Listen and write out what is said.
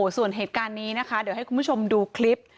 ส่วนเหตุการณ์นี้นะคะเดี๋ยวให้คุณผู้ชมดูคลิป